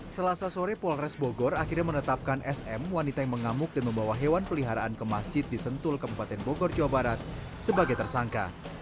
selasa sore polres bogor akhirnya menetapkan sm wanita yang mengamuk dan membawa hewan peliharaan ke masjid di sentul kabupaten bogor jawa barat sebagai tersangka